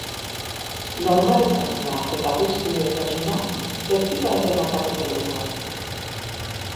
Normalizazioa eta adiskidetasuna ez dira ere bakarrik helduko.